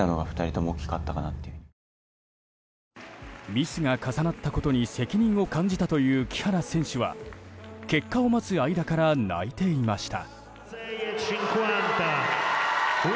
ミスが重なったことに責任を感じたという木原選手は結果を待つ間から泣いていました。